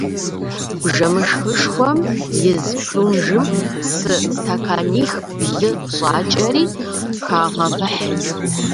Бжэмышхышхуэм из прунжым псы стэканих-блы щӏакӏэри, хагъэвыхь.